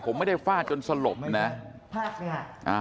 ผมไม่ได้ฟาดจนสลบนะ